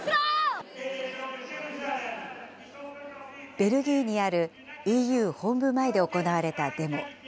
ベルギーにあるＥＵ本部前で行われたデモ。